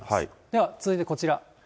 では続いてこちら。